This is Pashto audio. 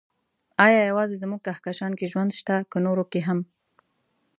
ايا يوازې زموږ کهکشان کې ژوند شته، که نورو کې هم؟